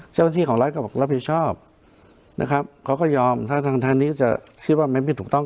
เจ้าหน้าที่ของรัฐก็บอกรับผิดชอบนะครับเขาก็ยอมถ้าทางทางนี้จะคิดว่ามันไม่ถูกต้อง